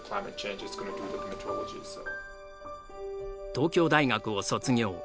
東京大学を卒業。